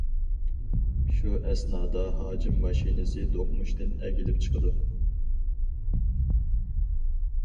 شۇ ئەسنادا ھاجىم ماشىنىسى دوقمۇشتىن ئەگىلىپ چىقىدۇ.